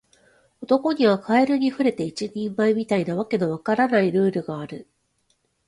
男にはカエルに触れて一人前、みたいな訳の分からないルールがある